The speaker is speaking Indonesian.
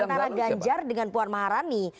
antara ganjar dengan puan maharani